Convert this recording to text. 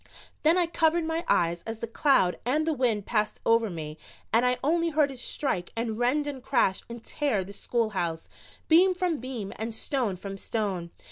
Then I covered my eyes as the cloud and the wind passed over me and I only heard it strike and rend and crash and tear the schoolhouse, beam from beam and stone from stone.